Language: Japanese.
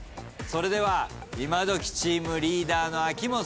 それではイマドキチームリーダーの秋元さん